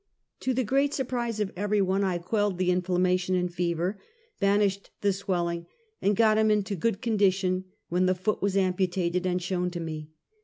To the great surprise of every one I quelled the in flammation and fever, banished the swelling, and got him into good condition, when the foot was amputated and shown to me.